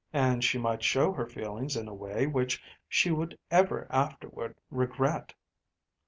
And she might show her feelings in a way which she would ever afterward regret.